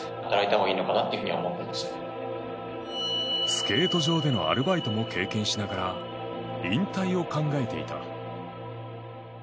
スケート場でのアルバイトも経験しながら引退を考えていた。